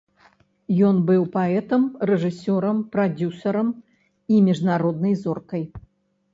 Ён быў паэтам, рэжысёрам, прадзюсарам і міжнароднай зоркай.